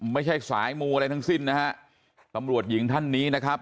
ไม่ใช่สายมูอะไรทั้งสิ้นนะฮะตำรวจหญิงท่านนี้นะครับ